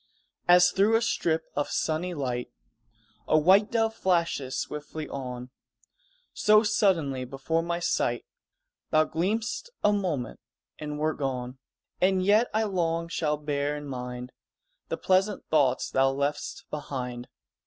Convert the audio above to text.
_ As through a strip of sunny light A white dove flashes swiftly on, So suddenly before my sight Thou gleamed'st a moment and wert gone; And yet I long shall bear in mind The pleasant thoughts thou left'st behind.